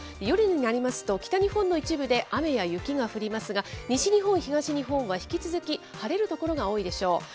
夜になりますと、北日本の一部で雨や雪が降りますが、西日本、東日本は引き続き晴れる所が多いでしょう。